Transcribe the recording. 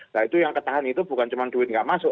nah itu yang ketahan itu bukan cuma duit nggak masuk